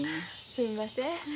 すんません。